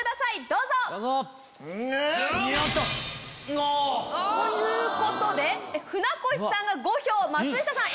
どうぞ！ということで船越さんが５票松下さん